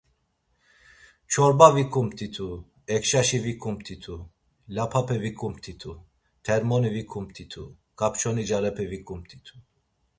Çorba vikumt̆itu, ekşaşi vikumt̆itu, lapape vikumt̆itu, termoni vikumt̆itu, kapçoni carepe vikumt̆itu!